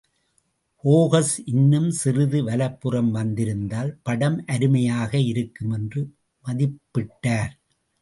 Focus இன்னும் சிறிது வலப்புறம் வந்திருந்தால் படம் அருமையாக இருக்கும் என்று மதிப்பிட்டார்.